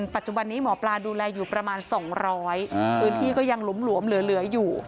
ปัจจุบันนี้หมอปลาดูแลอยู่ประมาณสองร้อยอื่นที่ก็ยังหลุมหลวมเหลือเหลืออยู่